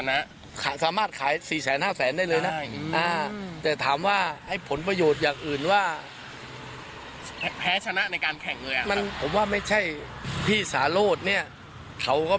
อาจมาสามารถขาย๔๐๐๕๐๐ได้เลยนะแต่ถามว่าให้ผลประโยชน์อย่างอื่นว่าแพ้ชนะในการแข่งมือมันไม่ใช่พี่สาโลธเนี่ยเขาก็เป็น